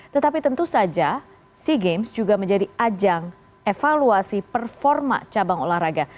tetapi tentu saja sea games juga menjadi ajang evaluasi performa cabang olahraga